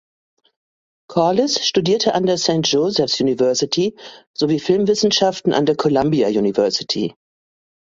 Corliss studierte an der Saint Joseph’s University sowie Filmwissenschaften an der Columbia University.